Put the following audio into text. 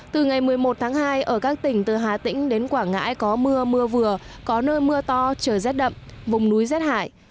từ ngày một mươi một tháng hai ở các tỉnh từ hà tĩnh đến quảng ngãi có mưa mưa vừa có nơi mưa to trời rét đậm vùng núi rét hại